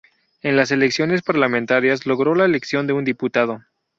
En las elecciones parlamentarias logró la elección de un diputado.